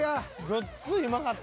ごっついうまかった。